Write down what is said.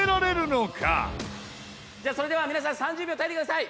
「じゃあそれでは皆さん３０秒耐えてください！」